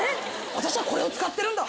私はこれを使ってるんだ。